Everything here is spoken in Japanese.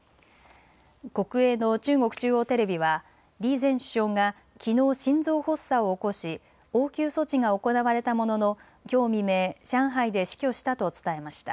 国営の中国中央テレビは李前首相がきのう、心臓発作を起こし応急措置が行われたもののきょう未明、上海で死去したと伝えました。